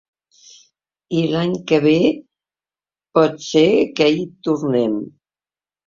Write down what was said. I l’any que ve pot ser que hi tornem.